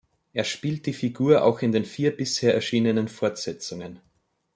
Er spielt die Figur auch in den vier bisher erschienenen Fortsetzungen.